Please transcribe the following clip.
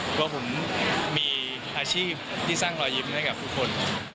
เพราะผมมีอาชีพที่สร้างรอยยิ้มให้กับทุกคน